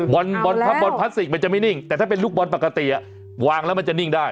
บอลพับบอลพลาสติกมันจะไม่นิ่งแต่ถ้าเป็นลูกบอลปกติวางแล้วมันจะนิ่งได้